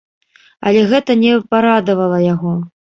Але гэта не парадавала яго.